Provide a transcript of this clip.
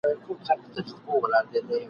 غاښ چي رنځور سي، نو د انبور سي !.